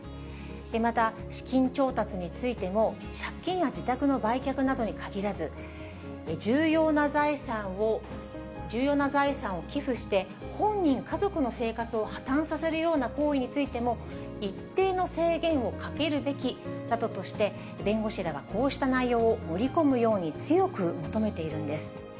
また、資金調達についても、借金や自宅の売却などに限らず、重要な財産を、重要な財産を寄付して、本人、家族の生活を破綻させるような行為についても、一定の制限をかけるべきなどとして、弁護士らがこうした内容を盛り込むように強く求めているんです。